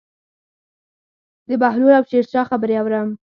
د بهلول او شیرشاه خبرې اورم.